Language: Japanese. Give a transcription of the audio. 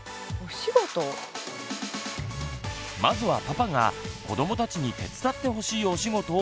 まずはパパが子どもたちに手伝ってほしいお仕事をリストアップ！